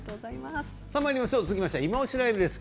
続いては「いまオシ！ＬＩＶＥ」です。